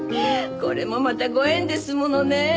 これもまたご縁ですものねえ。